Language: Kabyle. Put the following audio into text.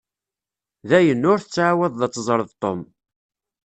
Dayen, ur tettεawadeḍ ad teẓreḍ Tom.